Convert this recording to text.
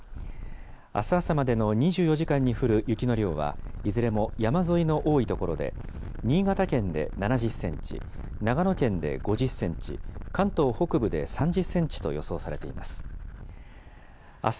あす朝までの２４時間に降る雪の量は、いずれも山沿いの多い所で、新潟県で７０センチ、長野県で５０センチ、関東北部で３０センチと予想されています。